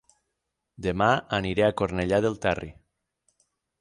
Dema aniré a Cornellà del Terri